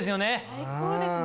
最高ですね。